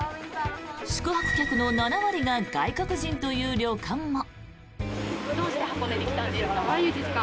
宿泊客の７割が外国人という旅館も。